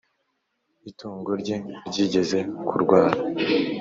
itungo rye ryigeze kurwara